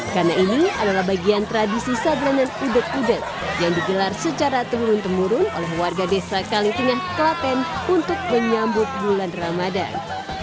karena ini adalah bagian tradisi sadranan udeg udeg yang digelar secara temurun temurun oleh warga desa kalitingah kelaten untuk menyambut bulan ramadan